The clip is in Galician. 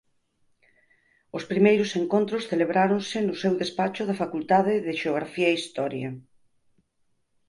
Os primeiros encontros celebráronse no seu despacho da Facultade de Xeografía e Historia.